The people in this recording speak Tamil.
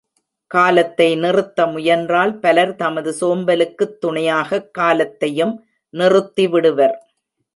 காலத்தை நிறுத்த முயன்றால் பலர் தமது சோம்பலுக்குத் துணையாகக் காலத்தையும் நிறுத்திவிடுவர்.